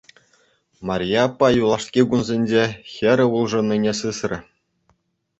Марье аппа юлашки кунсенче хӗрӗ улшӑннине сисрӗ.